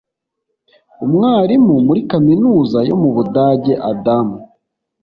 umwarimu muri kaminuza yo mu budage adam